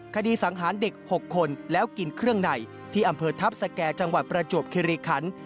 คดีสังหารเด็ก๖คนแล้วกินเครื่องในที่อำเภอทัพสแก่จังหวัดประจวบคิริคัน